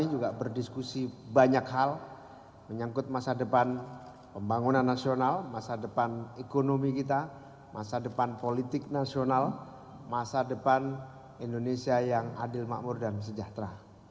kami juga berdiskusi banyak hal menyangkut masa depan pembangunan nasional masa depan ekonomi kita masa depan politik nasional masa depan indonesia yang adil makmur dan sejahtera